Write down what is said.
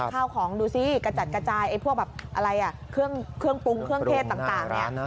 ข้าวของดูสิกระจัดกระจายพวกเครื่องปรุงเครื่องเทศต่าง